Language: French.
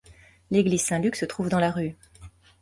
L'église Saint-Luc se trouve dans la rue.